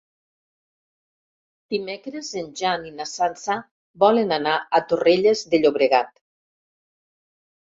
Dimecres en Jan i na Sança volen anar a Torrelles de Llobregat.